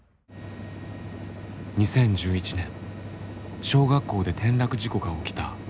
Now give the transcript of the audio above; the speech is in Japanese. ２０１１年小学校で転落事故が起きた大阪・堺市。